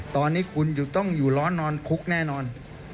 ตอนนี้คุณต้องอยู่ร้อนนอนคุกแน่นอน